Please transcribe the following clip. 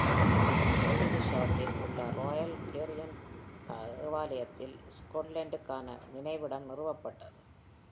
ஆல்டர்ஷாட்டில் உள்ள Royal Garrison தேவாலயத்தில் ஸ்கார்லெட்டுக்கான நினைவிடம் நிறுவப்பட்டது.